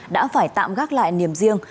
đã phải tạm gác lại niềm riêng